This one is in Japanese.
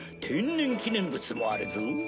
天然記念物もあるぞ。